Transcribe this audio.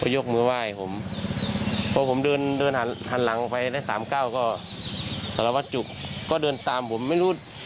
ยกมือไหว้ผมพอผมเดินเดินหันหลังไปได้สามเก้าก็สารวัสจุก็เดินตามผมไม่รู้